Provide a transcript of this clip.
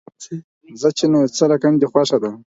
ځه نو، چې څرنګه دې خوښه وي.